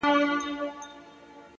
زما سره هغې نجلۍ بيا د يارۍ تار وتړی!!